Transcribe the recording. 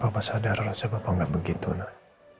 papa sadar rasa papa gak begitu nay